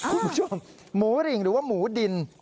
คุณผู้ชมหมูริงหรือว่าหมูดิน